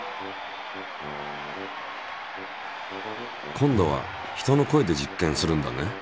今度は人の声で実験するんだね。